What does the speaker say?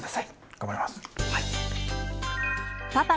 頑張ります。